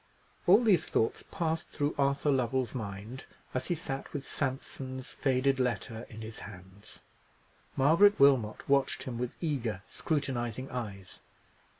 All these thoughts passed through Arthur Lovell's mind as he sat with Sampson's faded letter in his hands. Margaret Wilmot watched him with eager, scrutinizing eyes.